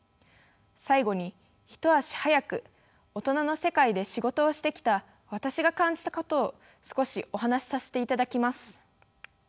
最後に一足早く大人の世界で仕事をしてきた私が感じたことを少しお話しさせていただきます。